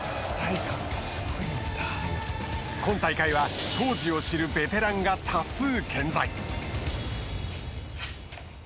今大会は当時を知るベテランが多数健在。